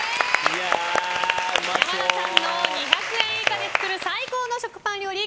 山田さんの２００円以下で作る最高の食パン料理